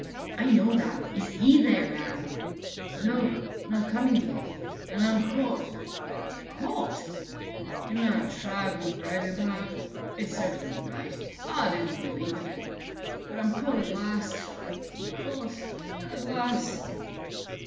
"I know that. Is he there now?" "No not come in yet and I'm caught." "Caught!" "In that trap he bragged about. It serves me right. I didn't believe in it. But I'm caught at last ... caught ... at last!"